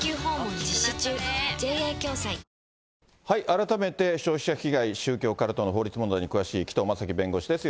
改めて、消費者被害、宗教カルトの法律問題に詳しい紀藤正樹弁護士です。